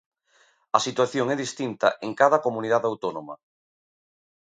A situación é distinta en cada comunidade autónoma.